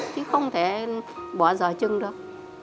chứ không thể bỏ giờ chừng được